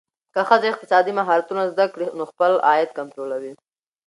که ښځه اقتصادي مهارتونه زده کړي، نو خپل عاید کنټرولوي.